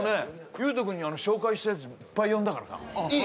ユウト君に紹介したいやついっぱい呼んだからさいい？